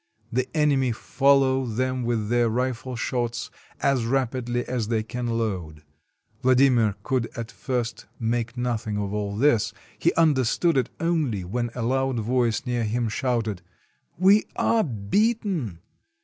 The enemy follow them with their rifle shots, as rapidly as they can load. Vladimir could at first make nothing of all this; he understood it only when a loud voice near him shouted, "We are beaten."